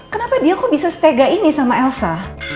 kenapa dia kok bisa stega ini sama elsa